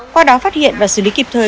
qua đó phát hiện và xử lý kịp thời